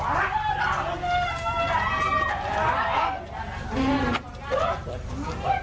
ไปกับแม่กัน